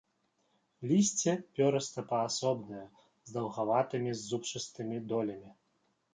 Лісце пёрыста-паасобнае, з даўгаватымі зубчастымі долямі.